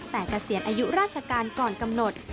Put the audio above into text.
แต่เกษียณอายุราชการก่อนกำหนด